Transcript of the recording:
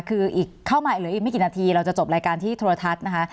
คืออีกเข้ามาเหลืออีกไม่กี่นาทีเราจะจบรายการที่โทรทัศน์นะคะ